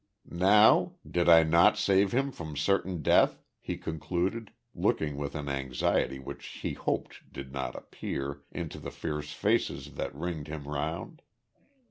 "Now? Did I not save him from certain death?" he concluded, looking with an anxiety which he hoped did not appear, into the fierce faces that ringed him round.